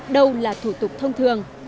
đâu là thủ tục thông thường